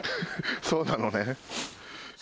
そうなのねん。